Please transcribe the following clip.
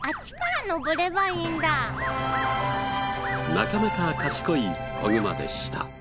なかなか賢い子グマでした。